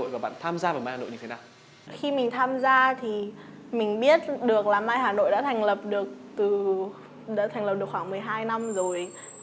khi mình tham gia thì mình biết được là my hà nội đã thành lập được khoảng một mươi hai năm rồi